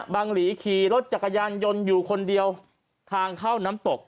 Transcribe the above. หลีขี่รถจักรยานยนต์อยู่คนเดียวทางเข้าน้ำตก